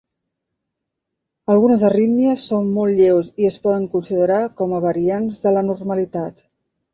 Algunes arrítmies són molt lleus i es poden considerar com a variants de la normalitat.